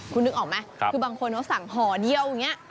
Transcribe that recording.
คุณนึกออกไหมคือบางคนเขาสั่งห่อเดียวอย่างนี้